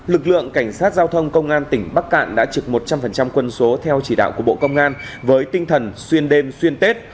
lực lượng cảnh sát giao thông công an tỉnh bắc cạn đã trực một trăm linh quân số theo chỉ đạo của bộ công an với tinh thần xuyên đêm xuyên tết